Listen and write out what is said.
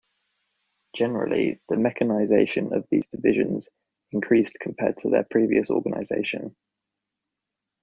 Generally the mechanization of these divisions increased compared to their previous organization.